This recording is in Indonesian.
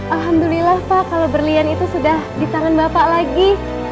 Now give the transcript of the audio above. alhamdulillah pak kalau berlian itu sudah di tangan bapak lagi